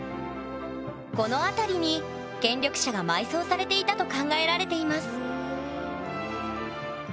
この辺りに権力者が埋葬されていたと考えられています